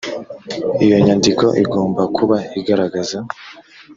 iyo nyandiko igomba kuba igaragaza